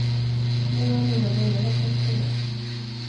Några av mina vänner har fått sina.